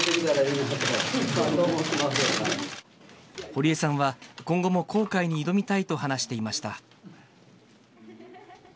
堀江さんは今後も航海に挑みたいと話していました。